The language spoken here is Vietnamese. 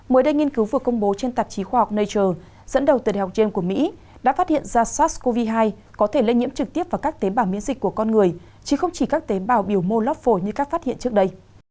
mới đây nghiên cứu vừa công bố trên tạp chí khoa học nature dẫn đầu từ đại học trên của mỹ đã phát hiện ra sars cov hai có thể lây nhiễm trực tiếp vào các tế bào miễn dịch của con người chứ không chỉ các tế bào biểu môloph phổi như các phát hiện trước đây